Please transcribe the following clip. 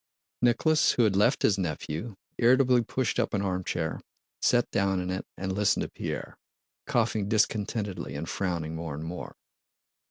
Nicholas, who had left his nephew, irritably pushed up an armchair, sat down in it, and listened to Pierre, coughing discontentedly and frowning more and more.